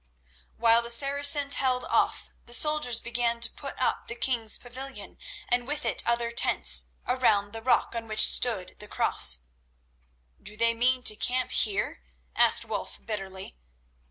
While the Saracens held off, the soldiers began to put up the king's pavilion, and with it other tents, around the rock on which stood the Cross. "Do they mean to camp here?" asked Wulf bitterly.